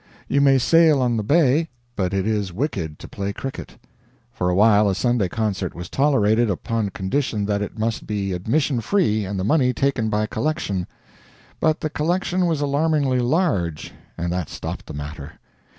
You may sail on the Bay, but it is wicked to play cricket. For a while a Sunday concert was tolerated, upon condition that it must be admission free and the money taken by collection. But the collection was alarmingly large and that stopped the matter.